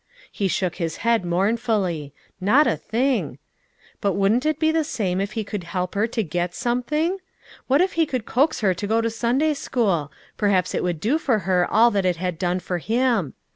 He shook his head mournfully; not a thing. But wouldn't it be the same if he could help her to get something? What if he could coax her to go to Sunday school; perhaps it would do for her all that it had done for him.